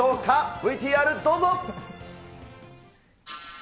ＶＴＲどうぞ。